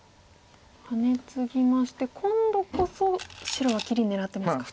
ハネツギまして今度こそ白は切り狙ってますか。